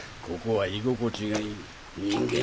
ここは居心地がいい。